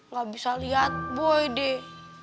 gak bisa lihat boy deh